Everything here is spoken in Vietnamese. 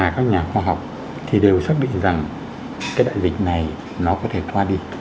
cái đại dịch này nó có thể qua đi